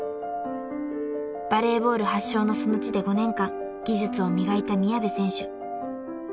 ［バレーボール発祥のその地で５年間技術を磨いた宮部選手］